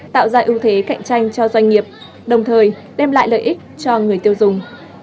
tạo ra ưu thế cạnh tranh cho doanh nghiệp đồng thời đem lại lợi ích cho người tiêu dùng